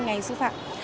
ngành sư phạm